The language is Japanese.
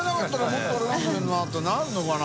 もっとあれなんだけどな」ってなるのかな？）